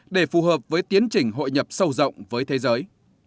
để phù hợp với tiến trình hội nhập sâu rộng với thế giới